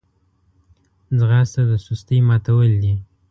ځغاسته د سستۍ ماتول دي